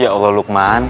ya allah luqman